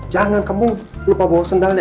jangan kamu lupa bawa sendalnya